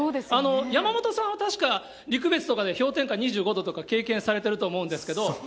山本さんは確か、陸別とかで氷点下２５度とか経験されてると思うんですけど。